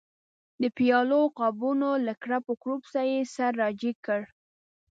د پیالو او قابونو له کړپ کړوپ سره یې سر را جګ کړ.